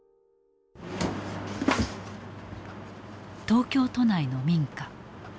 東京都内の民家。